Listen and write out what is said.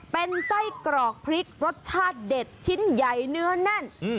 เป็นไส้กรอกพริกรสชาติเด็ดชิ้นใหญ่เนื้อแน่น